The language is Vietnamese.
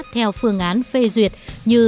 theo phương án phê duyệt như